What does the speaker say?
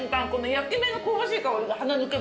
焼き目の香ばしい香りが鼻抜けます。